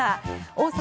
大阪